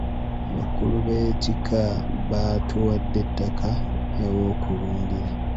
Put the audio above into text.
Abakulu b'ekika baatuwadde ettaka ew'okulundira.